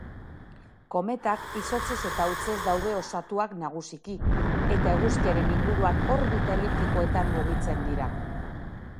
Kometak izotzez eta hautsez daude osatuak nagusiki, eta eguzkiaren inguruan orbita eliptikoetan mugitzen dira.